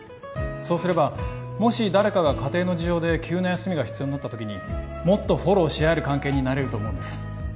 そうすればもし誰かが家庭の事情で急な休みが必要になった時にもっとフォローし合える関係になれると思うんです